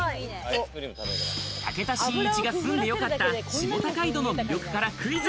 武田真一が住んでよかった下高井戸の魅力からクイズ。